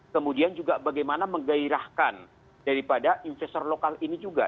kemudian juga bagaimana menggairahkan daripada investor lokal ini juga